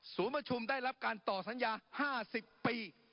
ประชุมได้รับการต่อสัญญา๕๐ปี